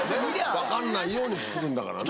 分かんないように造るんだからね。